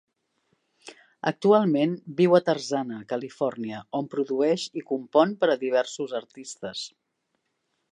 Actualment viu a Tarzana, Califòrnia, on produeix i compon per a diversos artistes.